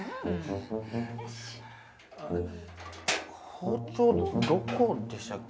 あっ包丁どこでしたっけ？